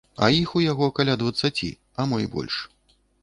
А іх у яго каля дваццаці, а мо і больш.